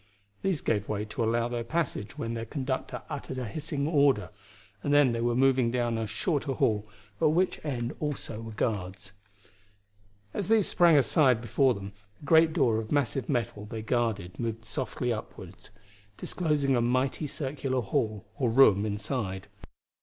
These gave way to allow their passage when their conductor uttered a hissing order, and then they were moving down a shorter hall at whose end also were guards. As these sprang aside before them, a great door of massive metal they guarded moved softly upward, disclosing a mighty circular hall or room inside.